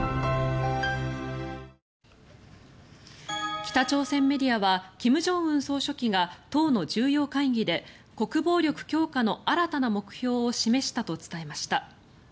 北朝鮮メディアは金正恩総書記が党の重要会議で国防力強化の新たな目標を示したと伝えました。